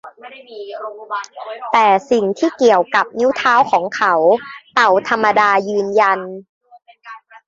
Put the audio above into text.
แต่สิ่งที่เกี่ยวกับนิ้วเท้าของเขา เต่าธรรมดายืนยัน